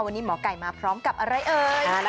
วันนี้หมอไก่มาพร้อมกับอะไรเอ่ย